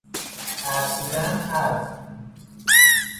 ترسیدن از